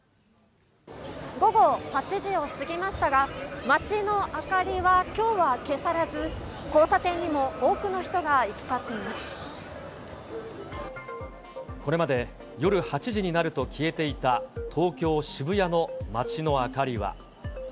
午後８時を過ぎましたが、街の明かりはきょうは消されず、交差点にも多くの人が行き交ってこれまで、夜８時になると消えていた東京・渋谷の街の明かりは。